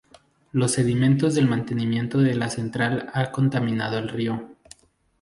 Los sedimentos del mantenimiento de la central ha contaminado el río.